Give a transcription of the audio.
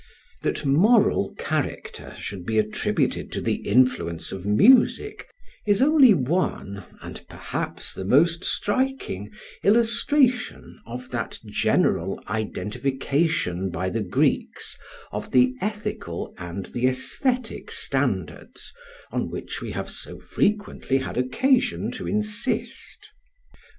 That moral character should be attributed to the influence of music is only one and perhaps the most striking illustration of that general identification by the Greeks of the ethical and the aesthetic standards on which we have so frequently had occasion to insist.